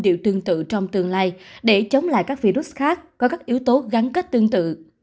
điều tương tự trong tương lai để chống lại các virus khác có các yếu tố gắn kết tương tự